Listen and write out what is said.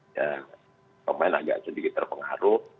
ya pemain agak sedikit terpengaruh